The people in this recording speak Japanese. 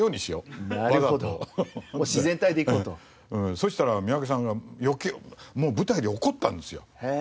そしたら三宅さんがもう舞台で怒ったんですよ。